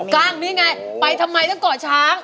กางนี่ไงไปทำไมถ้าก่อช้าง